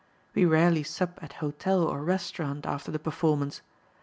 "We rarely sup at hotel or restaurant after the performance.